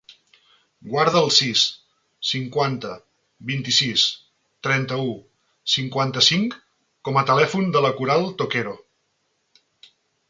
Guarda el sis, cinquanta, vint-i-sis, trenta-u, cinquanta-cinc com a telèfon de la Coral Toquero.